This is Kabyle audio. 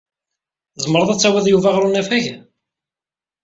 Tzemred ad tawid Yuba ɣer unafag?